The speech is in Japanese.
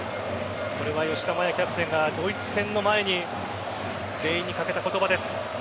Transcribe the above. これは吉田麻也キャプテンがドイツ戦の前に全員に掛けた言葉です。